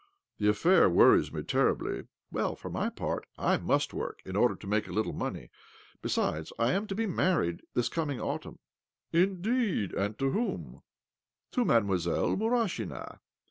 The affair worries me terribly." " Well, for my part, I rrUist work, in order to make a little money. Besides, I am to be married this coming autumn." " Indeed I And to whom? " "To Mademoiselle Murashina.